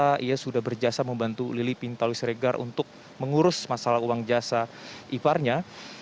dia sudah berjasa membantu lili pintauli siregar untuk mengurus masalah uang jasa iparnya